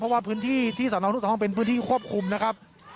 เพราะว่าพื้นที่ที่สนลูกสองเป็นพื้นที่ควบคุมนะครับ